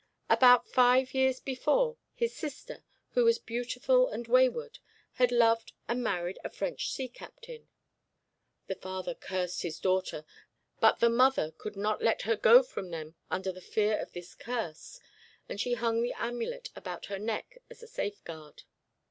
About five years before, his sister, who was beautiful and wayward, had loved and married a French sea captain. The father cursed his daughter, but the mother could not let her go from them under the fear of this curse, and she hung the amulet about her neck as a safeguard.